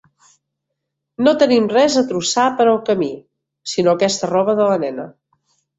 No tenim res a trossar per al camí, sinó aquesta roba de la nena.